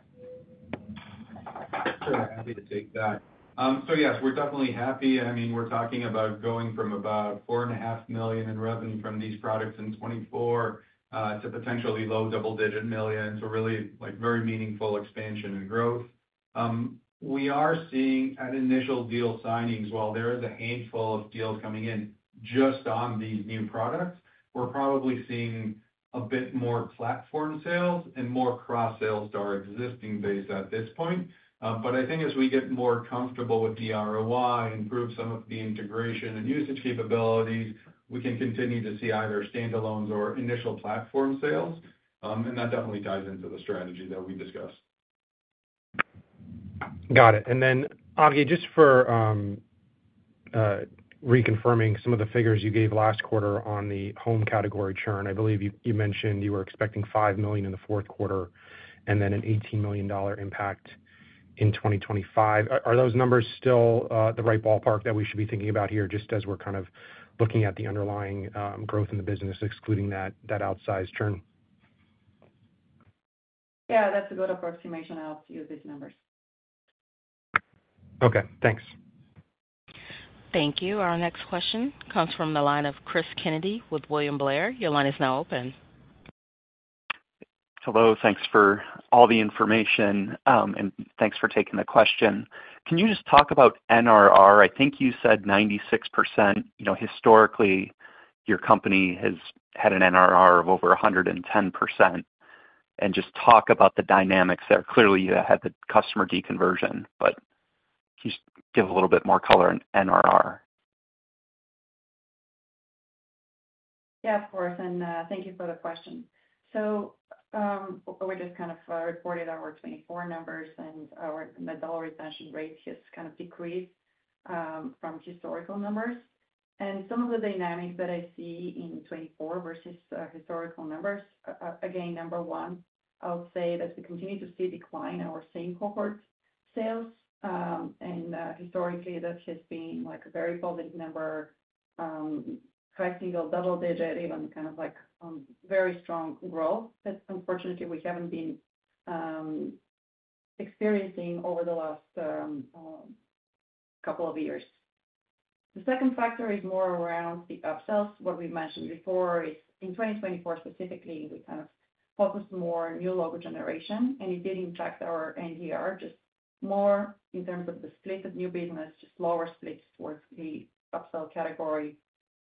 Sure, happy to take that. Yes, we're definitely happy. I mean, we're talking about going from about $4.5 million in revenue from these products in 2024 to potentially low double-digit millions. Really like very meaningful expansion and growth. We are seeing at initial deal signings, while there is a handful of deals coming in just on these new products, we're probably seeing a bit more platform sales and more cross-sales to our existing base at this point. I think as we get more comfortable with the ROI, improve some of the integration and usage capabilities, we can continue to see either standalones or initial platform sales. That definitely ties into the strategy that we discussed. Got it. Agi, just for reconfirming some of the figures you gave last quarter on the home category churn, I believe you mentioned you were expecting $5 million in the fourth quarter and then an $18 million impact in 2025. Are those numbers still the right ballpark that we should be thinking about here just as we're kind of looking at the underlying growth in the business, excluding that outsized churn? Yeah, that's a good approximation. I'll use these numbers. Okay, thanks. Thank you. Our next question comes from the line of Cris Kennedy with William Blair. Your line is now open. Hello, thanks for all the information and thanks for taking the question. Can you just talk about NRR? I think you said 96%, you know, historically your company has had an NRR of over 110% and just talk about the dynamics there. Clearly, you had the customer deconversion, but just give a little bit more color in NRR. Yeah, of course. And thank you for the question. We just kind of reported our 2024 numbers and our net dollar retention rate has kind of decreased from historical numbers. Some of the dynamics that I see in 2024 versus historical numbers, again, number one, I'll say that we continue to see decline in our same cohort sales. Historically, that has been like a very positive number, high single double-digit, even kind of like very strong growth that unfortunately we haven't been experiencing over the last couple of years. The second factor is more around the upsells. What we mentioned before is in 2024 specifically, we kind of focused more on new logo generation and it did impact our NDR just more in terms of the split of new business, just lower splits towards the upsell category.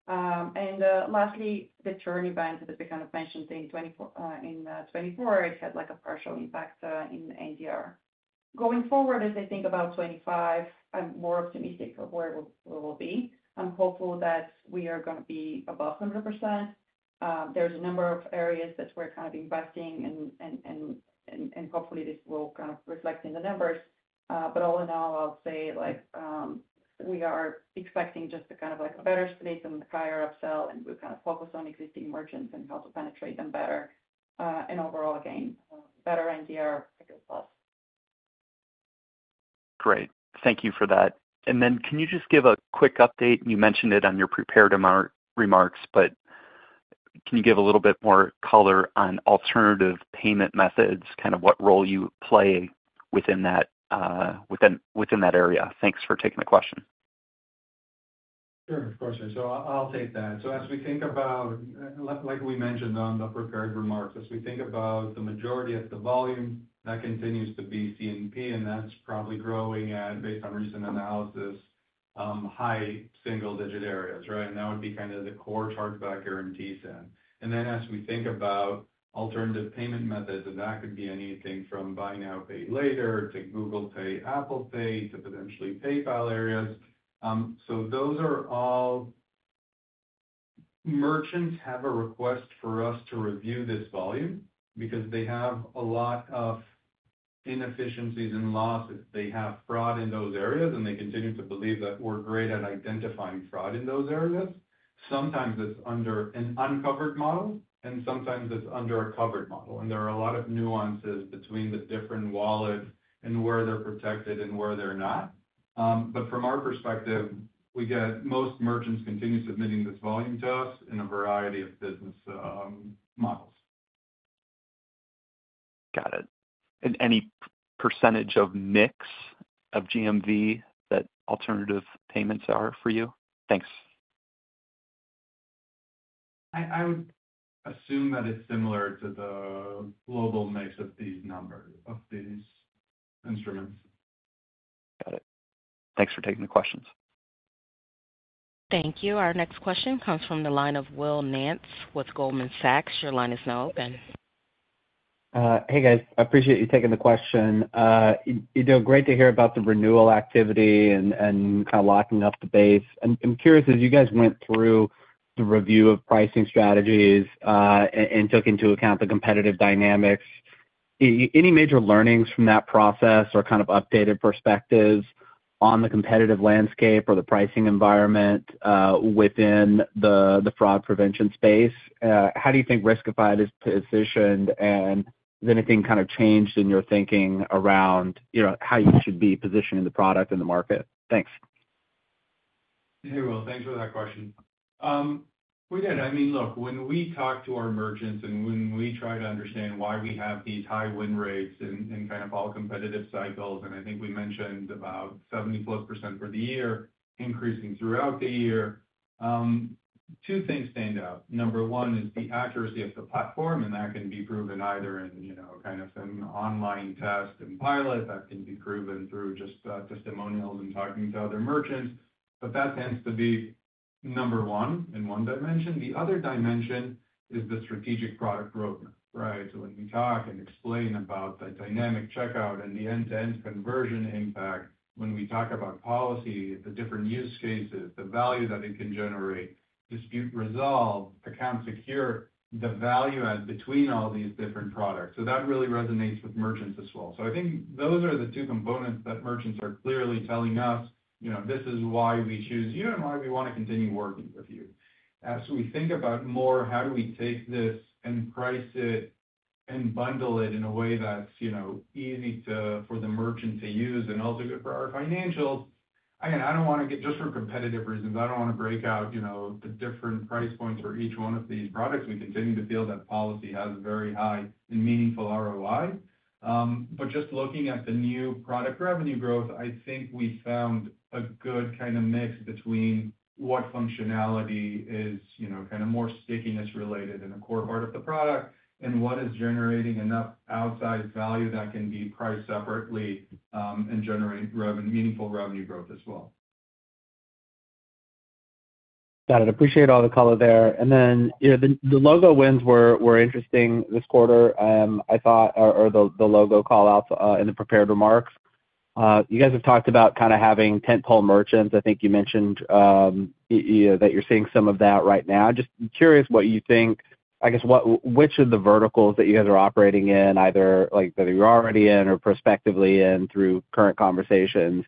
Lastly, the churn event that we kind of mentioned in 2024, it had like a partial impact in NDR. Going forward, as I think about 2025, I'm more optimistic of where we will be. I'm hopeful that we are going to be above 100%. There's a number of areas that we're kind of investing and hopefully this will kind of reflect in the numbers. All in all, I'll say like we are expecting just to kind of like a better split and a higher upsell and we'll kind of focus on existing merchants and how to penetrate them better. Overall, again, better NDR, I guess, plus. Great. Thank you for that. Can you just give a quick update? You mentioned it on your prepared remarks, but can you give a little bit more color on alternative payment methods, kind of what role you play within that area? Thanks for taking the question. Sure, of course. I'll take that. As we think about, like we mentioned on the prepared remarks, as we think about the majority of the volume, that continues to be CNP, and that's probably growing at, based on recent analysis, high single-digit areas, right? That would be kind of the core chargeback guarantee set. As we think about alternative payment methods, and that could be anything from buy now, pay later to Google Pay, Apple Pay to potentially PayPal areas. Those are all merchants have a request for us to review this volume because they have a lot of inefficiencies and losses. They have fraud in those areas, and they continue to believe that we're great at identifying fraud in those areas. Sometimes it's under an uncovered model, and sometimes it's under a covered model. There are a lot of nuances between the different wallets and where they're protected and where they're not. From our perspective, we get most merchants continue submitting this volume to us in a variety of business models. Got it. Any percentage of mix of GMV that alternative payments are for you? Thanks. I would assume that it's similar to the global mix of these numbers, of these instruments. Got it. Thanks for taking the questions. Thank you. Our next question comes from the line of Will Nance with Goldman Sachs. Your line is now open. Hey guys, I appreciate you taking the question. It's great to hear about the renewal activity and kind of locking up the base. I'm curious, as you guys went through the review of pricing strategies and took into account the competitive dynamics, any major learnings from that process or kind of updated perspectives on the competitive landscape or the pricing environment within the fraud prevention space? How do you think Riskified is positioned? Has anything kind of changed in your thinking around how you should be positioning the product in the market? Thanks. Hey, Will, thanks for that question. We did. I mean, look, when we talk to our merchants and when we try to understand why we have these high win rates and kind of all competitive cycles, and I think we mentioned about 70+% for the year, increasing throughout the year, two things stand out. Number one is the accuracy of the platform, and that can be proven either in kind of an online test and pilot that can be proven through just testimonials and talking to other merchants. That tends to be number one in one dimension. The other dimension is the strategic product roadmap, right? When we talk and explain about the dynamic checkout and the end-to-end conversion impact, when we talk about policy, the different use cases, the value that it can generate, dispute resolve, account secure, the value add between all these different products. That really resonates with merchants as well. I think those are the two components that merchants are clearly telling us, you know, this is why we choose you and why we want to continue working with you. As we think about more, how do we take this and price it and bundle it in a way that's, you know, easy for the merchant to use and also good for our financials? Again, I don't want to get just for competitive reasons. I don't want to break out, you know, the different price points for each one of these products. We continue to feel that policy has very high and meaningful ROI. Just looking at the new product revenue growth, I think we found a good kind of mix between what functionality is, you know, kind of more stickiness related in the core part of the product and what is generating enough outside value that can be priced separately and generate meaningful revenue growth as well. Got it. Appreciate all the color there. The logo wins were interesting this quarter, I thought, or the logo callouts in the prepared remarks. You guys have talked about kind of having tentpole merchants. I think you mentioned that you're seeing some of that right now. Just curious what you think, I guess, which of the verticals that you guys are operating in, either like that you're already in or prospectively in through current conversations,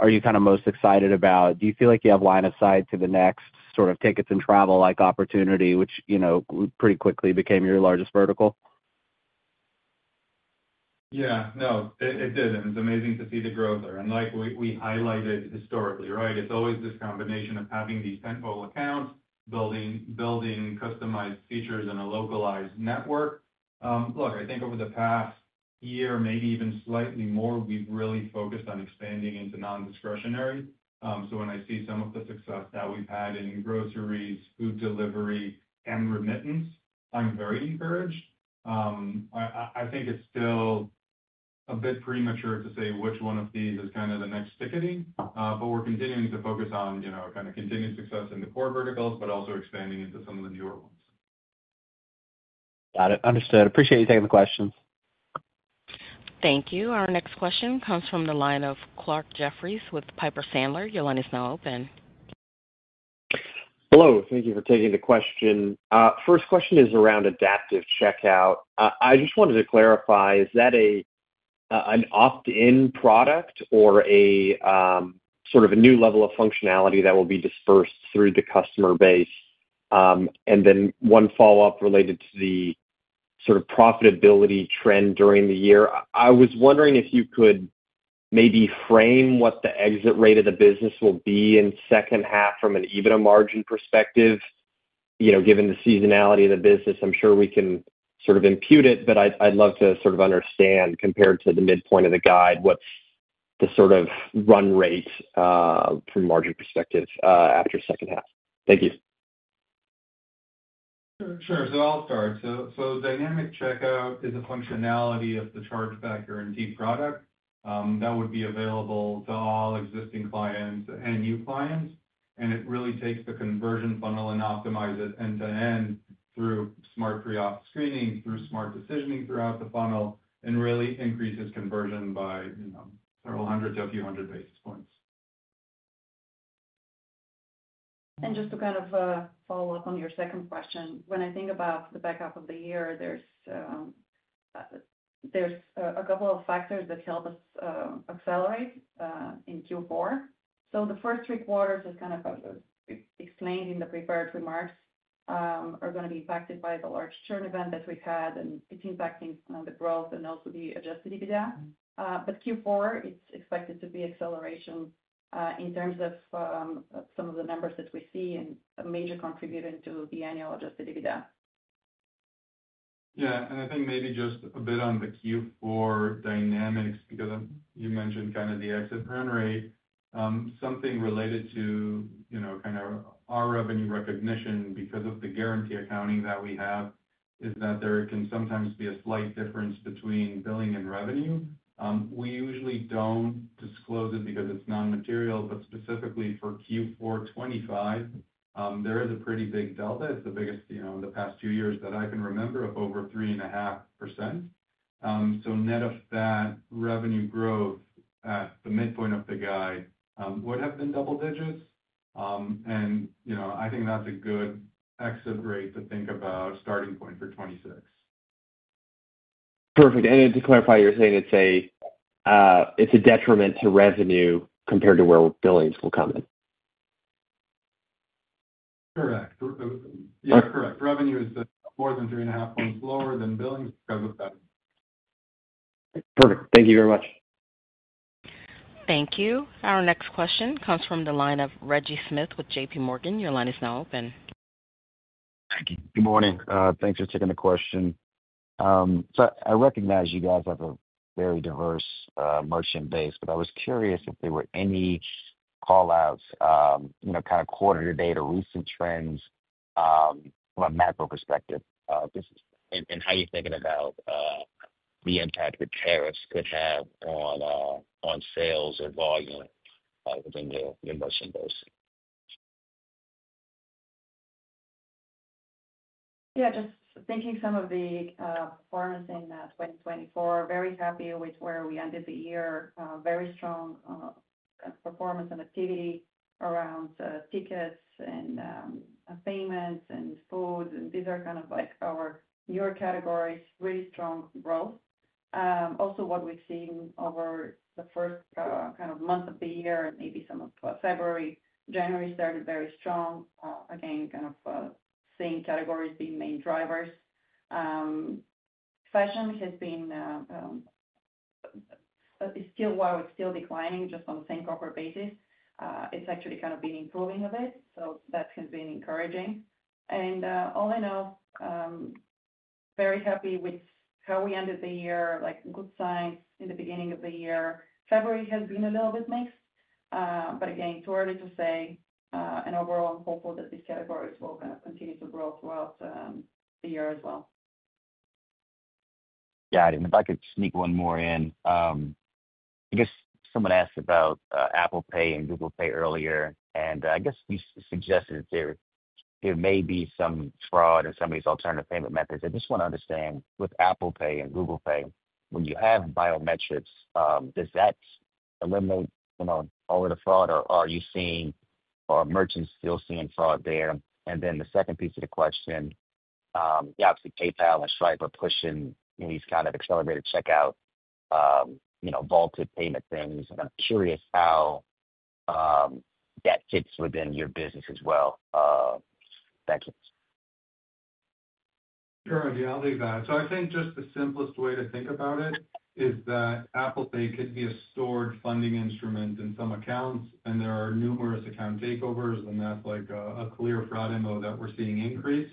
are you kind of most excited about? Do you feel like you have line of sight to the next sort of tickets and travel-like opportunity, which, you know, pretty quickly became your largest vertical? Yeah, no, it did. It's amazing to see the growth there. Like we highlighted historically, right? It's always this combination of having these tentpole accounts, building customized features in a localized network. Look, I think over the past year, maybe even slightly more, we've really focused on expanding into non-discretionary. So when I see some of the success that we've had in groceries, food delivery, and remittance, I'm very encouraged. I think it's still a bit premature to say which one of these is kind of the next ticketing, but we're continuing to focus on, you know, kind of continued success in the core verticals, but also expanding into some of the newer ones. Got it. Understood. Appreciate you taking the questions. Thank you. Our next question comes from the line of Clarke Jeffries with Piper Sandler. Your line is now open. Hello. Thank you for taking the question. First question is around Adaptive Checkout. I just wanted to clarify, is that an opt-in product or a sort of a new level of functionality that will be dispersed through the customer base? Then one follow-up related to the sort of profitability trend during the year. I was wondering if you could maybe frame what the exit rate of the business will be in second half from an EBITDA margin perspective. You know, given the seasonality of the business, I'm sure we can sort of impute it, but I'd love to sort of understand compared to the midpoint of the guide, what's the sort of run rate from a margin perspective after second half? Thank you. Sure. I'll start. Dynamic checkout is a functionality of the Chargeback Guarantee product that would be available to all existing clients and new clients. It really takes the conversion funnel and optimizes it end-to-end through smart pre-auth screening, through smart decisioning throughout the funnel, and really increases conversion by, you know, several hundred to a few hundred basis points. Just to kind of follow up on your second question, when I think about the back half of the year, there's a couple of factors that help us accelerate in Q4. The first three quarters, as kind of explained in the prepared remarks, are going to be impacted by the large churn event that we've had, and it's impacting the growth and also the adjusted EBITDA. Q4, it's expected to be acceleration in terms of some of the numbers that we see and major contributing to the annual adjusted EBITDA. Yeah. I think maybe just a bit on the Q4 dynamics because you mentioned kind of the exit run rate, something related to, you know, kind of our revenue recognition because of the guarantee accounting that we have is that there can sometimes be a slight difference between billing and revenue. We usually do not disclose it because it is non-material, but specifically for Q4 2025, there is a pretty big delta. It is the biggest, you know, in the past few years that I can remember of over 3.5%. Net of that, revenue growth at the midpoint of the guide, it would have been double digits. You know, I think that is a good exit rate to think about as a starting point for 2026. Perfect. To clarify, you are saying it is a detriment to revenue compared to where billings will come in? Correct. Yeah, correct. Revenue is more than 3.5 points lower than billings because of that. Perfect. Thank you very much. Thank you. Our next question comes from the line of Reggie Smith with JP Morgan. Your line is now open. Thank you. Good morning. Thanks for taking the question. I recognize you guys have a very diverse merchant base, but I was curious if there were any callouts, you know, kind of quarter-to-date to recent trends from a macro perspective and how you're thinking about the impact that tariffs could have on sales or volume within your merchant base. Yeah, just thinking some of the performance in 2024, very happy with where we ended the year, very strong performance and activity around tickets and payments and food. And these are kind of like our newer categories, really strong growth. Also, what we've seen over the first kind of month of the year, maybe some of February, January started very strong. Again, kind of seeing categories being main drivers. Fashion has been still, while it's still declining just on the same corporate basis, it's actually kind of been improving a bit. So that has been encouraging. All in all, very happy with how we ended the year, like good signs in the beginning of the year. February has been a little bit mixed, but again, too early to say. Overall, I'm hopeful that these categories will kind of continue to grow throughout the year as well. Got it. If I could sneak one more in, I guess someone asked about Apple Pay and Google Pay earlier, and I guess you suggested there may be some fraud in some of these alternative payment methods. I just want to understand with Apple Pay and Google Pay, when you have biometrics, does that eliminate, you know, all of the fraud, or are you seeing, or are merchants still seeing fraud there? The second piece of the question, yeah, obviously PayPal and Stripe are pushing these kind of accelerated checkout, you know, vaulted payment things. I'm curious how that fits within your business as well. Thank you. Sure. Yeah, I'll leave that. I think just the simplest way to think about it is that Apple Pay could be a stored funding instrument in some accounts, and there are numerous account takeovers, and that's like a clear fraud MO that we're seeing increase.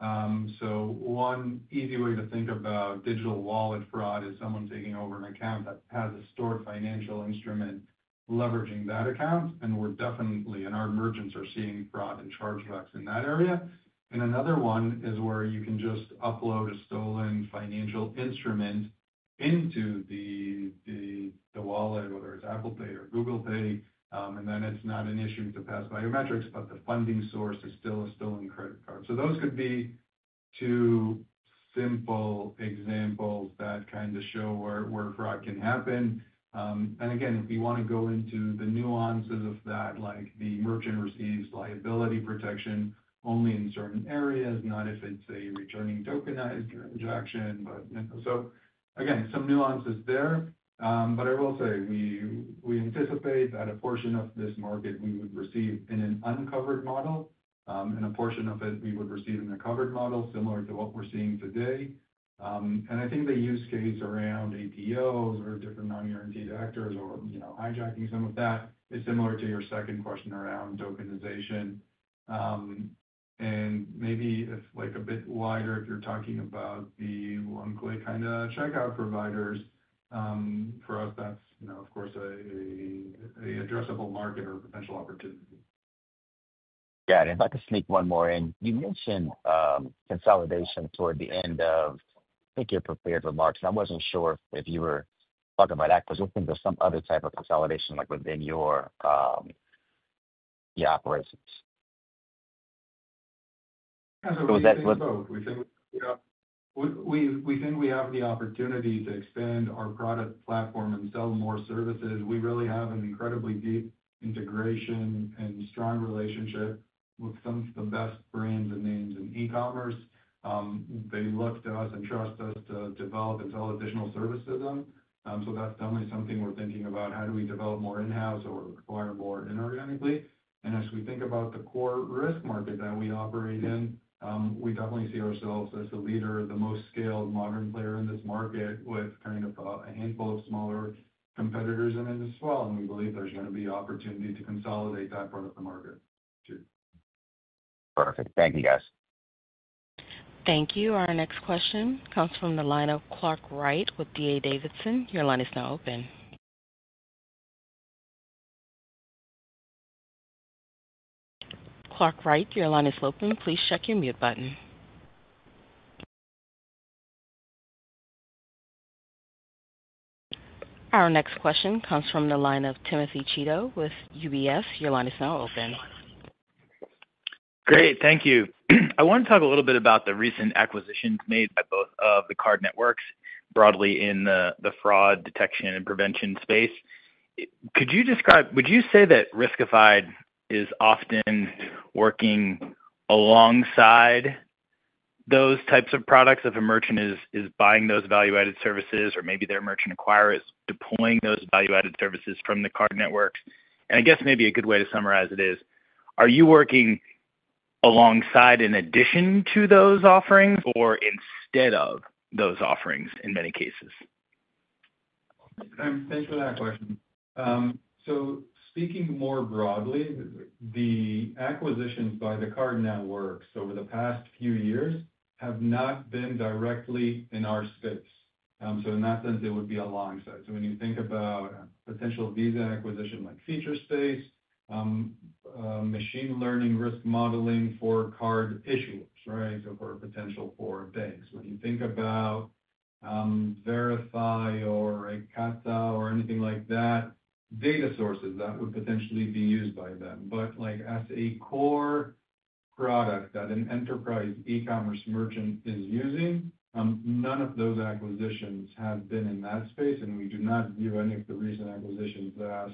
One easy way to think about digital wallet fraud is someone taking over an account that has a stored financial instrument leveraging that account, and we're definitely, and our merchants are seeing fraud and chargebacks in that area. Another one is where you can just upload a stolen financial instrument into the wallet, whether it's Apple Pay or Google Pay, and then it's not an issue to pass biometrics, but the funding source is still a stolen credit card. Those could be two simple examples that kind of show where fraud can happen. Again, if we want to go into the nuances of that, like the merchant receives liability protection only in certain areas, not if it is a returning tokenized transaction, but, you know, some nuances there. I will say we anticipate that a portion of this market we would receive in an uncovered model, and a portion of it we would receive in a covered model similar to what we are seeing today. I think the use case around APOs or different non-guaranteed actors or, you know, hijacking some of that is similar to your second question around tokenization. Maybe if a bit wider if you are talking about the one-click kind of checkout providers, for us, that is, you know, of course, an addressable market or potential opportunity. Got it. I'd like to sneak one more in. You mentioned consolidation toward the end of, I think, your prepared remarks, and I wasn't sure if you were talking about that, because I think there's some other type of consolidation like within your operations. We think we have the opportunity to expand our product platform and sell more services. We really have an incredibly deep integration and strong relationship with some of the best brands and names in e-commerce. They look to us and trust us to develop and sell additional service to them. That's definitely something we're thinking about. How do we develop more in-house or acquire more inorganically? As we think about the core risk market that we operate in, we definitely see ourselves as the leader, the most scaled modern player in this market with kind of a handful of smaller competitors in it as well. We believe there's going to be opportunity to consolidate that part of the market too. Perfect. Thank you, guys. Thank you. Our next question comes from the line of Clark Wright with D.A. Davidson. Your line is now open. Clark Wright, your line is open. Please check your mute button. Our next question comes from the line of Timothy Chito with UBS. Your line is now open. Great. Thank you. I want to talk a little bit about the recent acquisitions made by both of the card networks broadly in the fraud detection and prevention space. Could you describe, would you say that Riskified is often working alongside those types of products if a merchant is buying those value-added services, or maybe their merchant acquirer is deploying those value-added services from the card networks? I guess maybe a good way to summarize it is, are you working alongside in addition to those offerings or instead of those offerings in many cases? Thanks for that question. Speaking more broadly, the acquisitions by the card networks over the past few years have not been directly in our space. In that sense, it would be alongside. When you think about potential Visa acquisition like Featurespace, machine learning risk modeling for card issuers, right? For potential for banks. When you think about Verifi or Ekata or anything like that, data sources that would potentially be used by them. Like as a core product that an enterprise e-commerce merchant is using, none of those acquisitions have been in that space, and we do not view any of the recent acquisitions as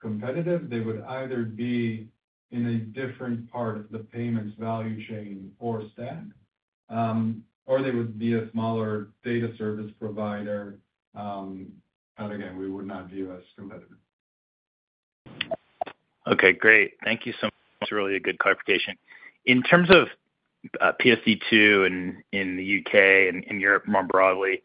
competitive. They would either be in a different part of the payments value chain or stack, or they would be a smaller data service provider. Again, we would not view as competitive. Okay, great. Thank you so much. That is really a good clarification. In terms of PSD2 in the U.K. and in Europe more broadly,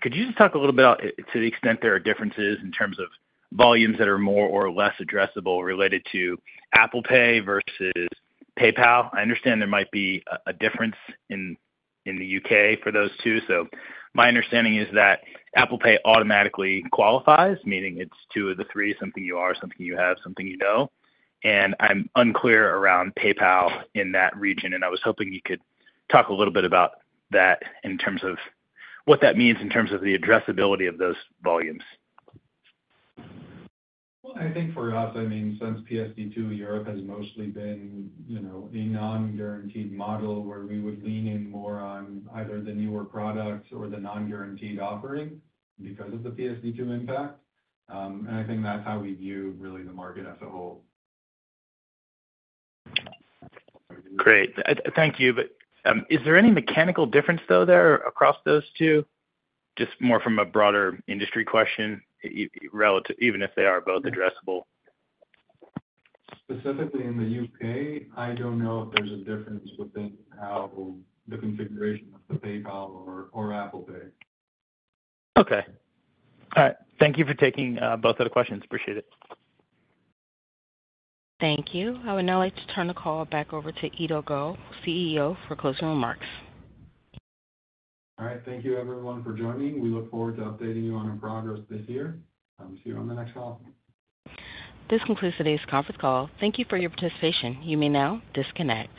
could you just talk a little bit about to the extent there are differences in terms of volumes that are more or less addressable related to Apple Pay versus PayPal? I understand there might be a difference in the U.K. for those two. My understanding is that Apple Pay automatically qualifies, meaning it is two of the three, something you are, something you have, something you know. I'm unclear around PayPal in that region, and I was hoping you could talk a little bit about that in terms of what that means in terms of the addressability of those volumes. I think for us, I mean, since PSD2, Europe has mostly been, you know, a non-guaranteed model where we would lean in more on either the newer products or the non-guaranteed offering because of the PSD2 impact. I think that's how we view really the market as a whole. Great. Thank you. Is there any mechanical difference though there across those two? Just more from a broader industry question, even if they are both addressable. Specifically in the U.K., I don't know if there's a difference within how the configuration of the PayPal or Apple Pay. Okay. All right. Thank you for taking both of the questions. Appreciate it. Thank you. I would now like to turn the call back over to Eido Gal, CEO, for closing remarks. All right. Thank you, everyone, for joining. We look forward to updating you on our progress this year. See you on the next call. This concludes today's conference call. Thank you for your participation. You may now disconnect.